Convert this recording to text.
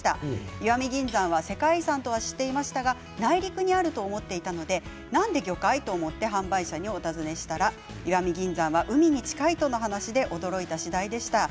石見銀山は世界遺産と知っていましたが内陸にあると思っていたのでなんで魚介？と思って販売者にお訪ねしたら石見銀山は海に近いとの話で驚いた次第でした。